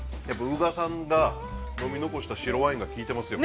◆宇賀さんが飲み残した白ワインが効いてますよ。